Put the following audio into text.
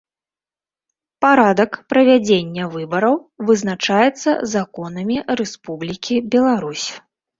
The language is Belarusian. Парадак правядзення выбараў вызначаецца законамі Рэспублікі Беларусь.